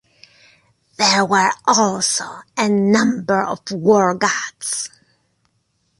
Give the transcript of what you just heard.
There were also a number of war gods.